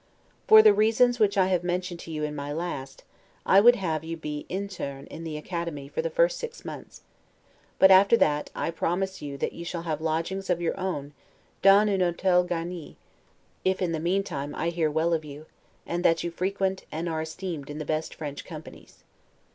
For the reasons which I mentioned to you in my last, I would have you be interne in the Academy for the first six months; but after that, I promise you that you shall have lodgings of your own 'dans un hotel garni', if in the meantime I hear well of you, and that you frequent, and are esteemed in the best French companies.